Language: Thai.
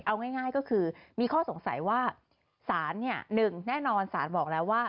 เอาง่ายก็คือมีข้อสงสัยว่าสารเนี่ย๑แน่นอนสารบอกแล้วว่า